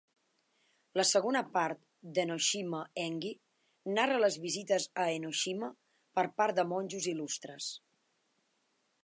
La segona part d'"Enoshima Engi" narra les visites a Enoshima per part de monjos il·lustres.